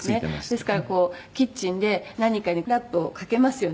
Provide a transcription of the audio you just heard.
「ですからこうキッチンで何かにラップをかけますよね」